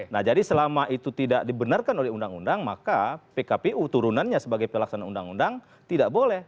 nah jadi selama itu tidak dibenarkan oleh undang undang maka pkpu turunannya sebagai pelaksanaan undang undang tidak boleh